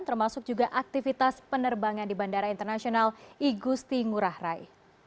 termasuk juga aktivitas penerbangan di bandara internasional igusti ngurah rai